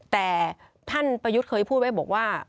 แต่ท่านประยุทธ์เคยพูดไว้บอกว่า